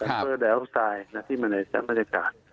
คาร์บอนดายออกไซด์น่ะที่มันในแสงบรรยากาศ